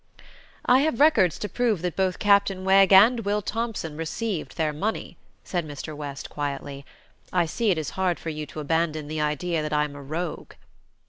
"I have records to prove that both Captain Wegg and Will Thompson received their money," said West, quietly. "I see it is hard for you to abandon the idea that I am a rogue."